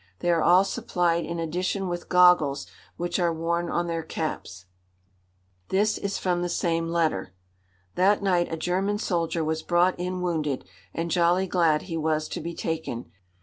They are all supplied in addition with goggles, which are worn on their caps," This is from the same letter: "That night a German soldier was brought in wounded, and jolly glad he was to be taken.